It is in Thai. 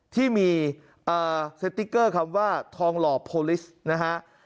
ที่มีสติ๊กเกอร์คำว่าทองหล่อโพลิสนะฮะ